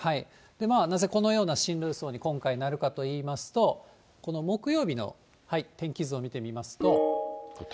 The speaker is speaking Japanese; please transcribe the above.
なぜこのような進路予想に今回なるかといいますと、この木曜日の天気図を見てみますと。